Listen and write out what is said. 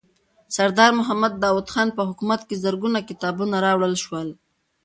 د سردار محمد داود خان په حکومت کې زرګونه کتابونه راوړل شول.